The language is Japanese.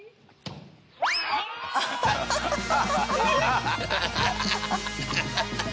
ハハハハ！